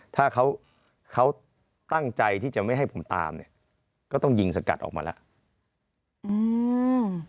ถ้าเขาเขาตั้งใจที่จะไม่ให้ผมตามเนี่ยก็ต้องยิงสกัดออกมาแล้วอืม